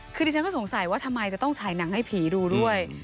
คือดิฉันก็สงสัยว่าทำไมจะต้องฉายหนังให้ผีดูด้วย